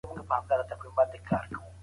کتاب څېړنیز بڼه لري.